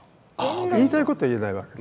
言いたいことを言えないわけ。